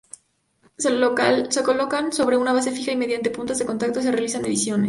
Se colocan sobre una base fija y mediante puntas de contacto se realizan mediciones.